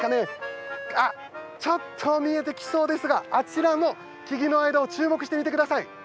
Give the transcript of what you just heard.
ちょっと見えてきそうですがあちら、木々の間を注目して見てください。